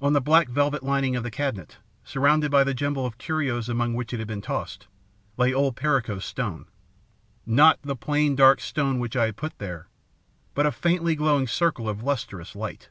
"On the black velvet lining of the cabinet, surrounded by the jumble of curios among which it had been tossed, lay old Perico's stone, not the plain, dark stone which I had put there, but a faintly glowing circle of lustrous light.